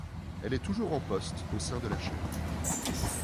Elle est toujours en poste au sein de la chaine.